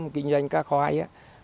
kinh doanh cá khoai